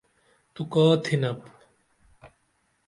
تو کا تھینپ؟